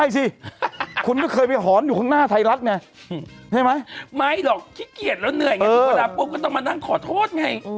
ใช่ไหมไม่หรอกขี้เกียจแล้วเหนื่อยพอต้องมานั่งขอโทษไง